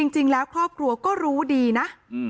จริงแล้วครอบครัวก็รู้ดีนะ